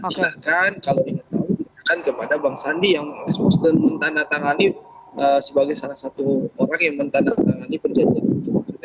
silahkan kalau ingin tahu silahkan kepada bang sandi yang mengekspos dan mentandatangani sebagai salah satu orang yang mentandatangani perjanjian